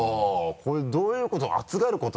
これどういうこと？